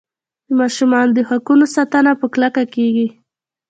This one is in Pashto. د ماشومانو د حقونو ساتنه په کلکه کیږي.